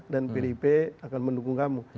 dan pdip akan mendukung kamu